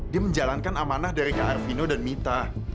dia menjalankan amanah dari kak arvino dan mita